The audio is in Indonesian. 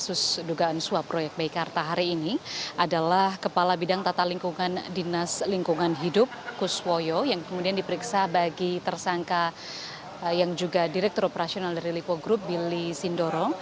kasus dugaan suap proyek meikarta hari ini adalah kepala bidang tata lingkungan dinas lingkungan hidup kuswoyo yang kemudian diperiksa bagi tersangka yang juga direktur operasional dari lipo group billy sindorong